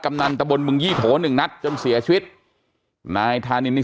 นันตะบนมึงยี่โถหนึ่งนัดจนเสียชีวิตนายธานินนี่